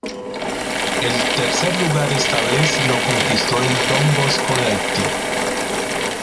El tercer lugar esta vez lo conquistó el Don Bosco de Haití.